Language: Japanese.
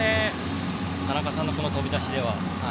田中さんのこの飛び出しでは。